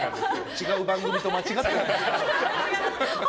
違う番組と間違えてないですか。